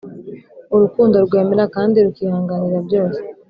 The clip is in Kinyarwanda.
urukundo rwemera kandi rukihanganira byose,